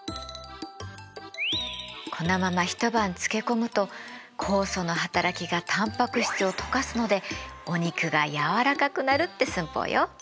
このまま一晩漬け込むと酵素の働きがタンパク質を溶かすのでお肉が柔らかくなるって寸法よ。